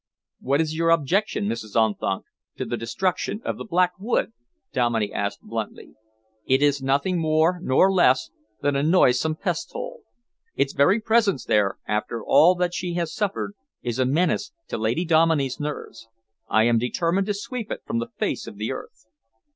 "What is your objection, Mrs. Unthank, to the destruction of the Black Wood?" Dominey asked bluntly. "It is nothing more nor less than a noisome pest hole. Its very presence there, after all that she has suffered, is a menace to Lady Dominey's nerves. I am determined to sweep it from the face of the earth."